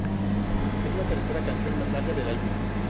Es la tercera canción más larga del álbum.